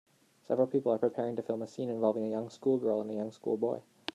Several people are preparing to film a scene involving a young schoolgirl and a young schoolboy.